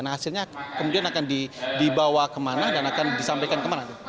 nah hasilnya kemudian akan dibawa kemana dan akan disampaikan kemana